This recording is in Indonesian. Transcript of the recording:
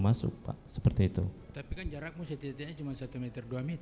masuk pak seperti itu tapi kan jarakmu setidaknya cuma satu meter dua meter hai dari dari masuknya